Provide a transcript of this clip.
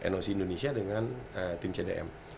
noc indonesia dengan tim cdm